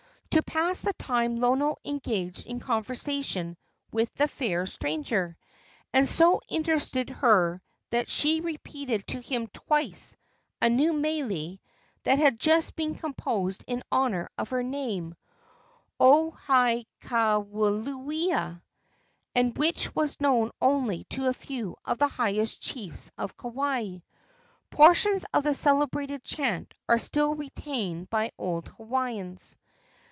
To pass the time Lono engaged in conversation with the fair stranger, and so interested her that she repeated to him twice a new mele that had just been composed in honor of her name Ohaikawiliula and which was known only to a few of the highest chiefs of Kauai. Portions of the celebrated chant are still retained by old Hawaiians.